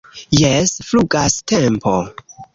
Jes, flugas tempo